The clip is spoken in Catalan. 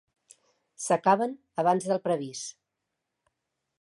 S'acaben abans del previst.